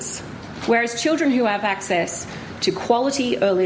jarang menemukan anak anak mereka